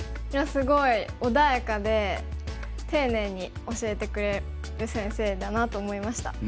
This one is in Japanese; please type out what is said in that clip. いやすごい穏やかで丁寧に教えてくれる先生だなと思いました。